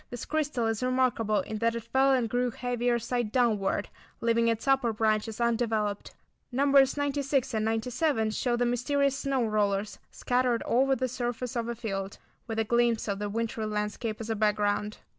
This crystal is remarkable in that it fell and grew heavier side downward, leaving its upper branches undeveloped. Nos. 96 and 97 show the mysterious "snow rollers" scattered over the surface of a field, with a glimpse of the wintery landscape as a background.